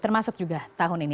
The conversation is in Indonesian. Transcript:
termasuk juga tahun ini